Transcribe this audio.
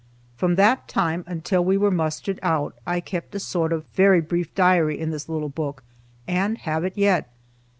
From that time until we were mustered out, I kept a sort of very brief diary in this little book, and have it yet.